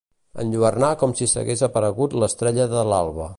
Enlluernar com si s'hagués aparegut l'estrella de l'alba.